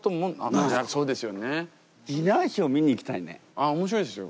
あ面白いですよ。